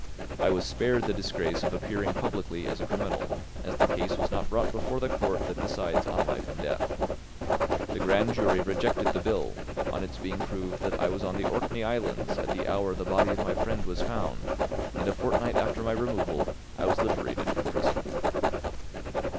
I was spared the disgrace of appearing publicly as a criminal, as the case was not brought before the court that decides on life and death. The grand jury rejected the bill, on its being proved that I was on the Orkney Islands at the hour the body of my friend was found; and a fortnight after my removal I was liberated from prison.